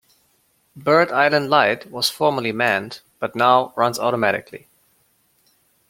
Bird Island Light was formerly manned but now runs automatically.